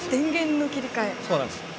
そうなんです。